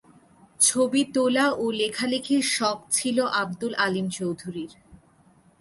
ছবি তোলা ও লেখালেখির শখ ছিল আবদুল আলীম চৌধুরীর।